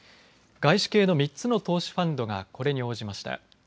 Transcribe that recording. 外資系の３つの投資ファンドがこれに応じました。